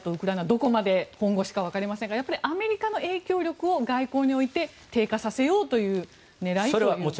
どこまで本腰かわかりませんがやっぱりアメリカの影響力を外交において低下させようという狙いということですか。